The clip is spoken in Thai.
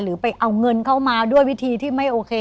ไปเอาเงินเข้ามาด้วยวิธีที่ไม่โอเค